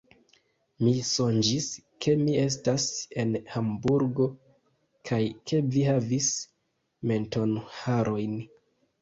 Mi sonĝis, ke mi estas en Hamburgo kaj ke vi havis mentonharojn.